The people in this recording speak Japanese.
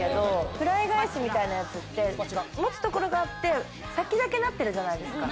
フライ返しみたいなやつって持つところがあって、先だけなってるじゃないですか。